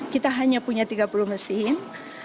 kita hanya punya tiga puluh mesin